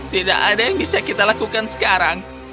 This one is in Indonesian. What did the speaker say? tidak ada yang bisa kita lakukan sekarang